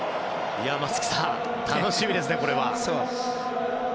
松木さん、楽しみですね